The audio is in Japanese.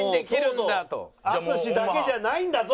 「淳だけじゃないんだぞ！」と。